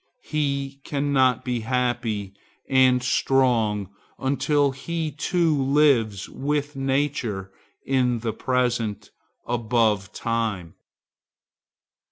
He cannot be happy and strong until he too lives with nature in the present, above time.